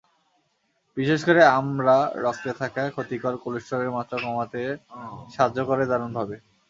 বিশেষ করে আমড়া রক্তে থাকা ক্ষতিকর কোলেস্টেরলের মাত্রা কমাতে সাহায্য করে দারুণভাবে।